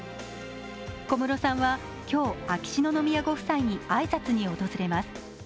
小室さんは今日、秋篠宮ご夫妻に挨拶に訪れます。